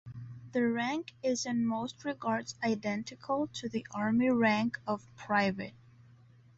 The rank is in most regards identical to the army rank of Private.